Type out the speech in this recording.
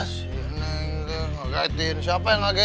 semua siapa tadi